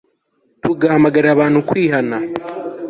tugahamagarira abantu kwihana